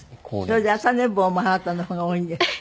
それで朝寝坊もあなたの方が多いんですって？